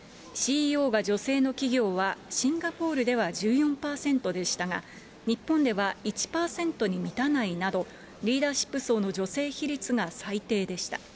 ＣＥＯが女性の企業はシンガポールでは１４％でしたが、日本では１％に満たないなど、リーダーシップ層の女性比率が最低でした。